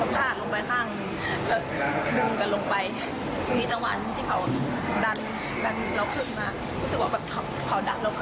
แต่พอสูบระยะใกล้กับห่วงยางค่ะ